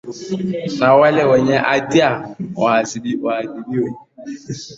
na wale wenye hatia wawajibishwe